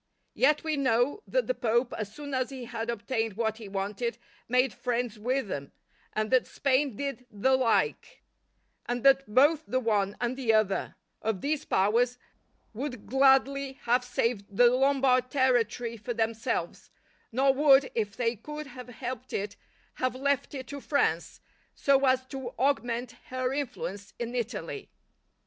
Yet we know that the Pope, as soon as he had obtained what he wanted, made friends with them, and that Spain did the like; and that both the one and the other of these powers would gladly have saved the Lombard territory for themselves, nor would, if they could have helped it, have left it to France, so as to augment her influence in Italy.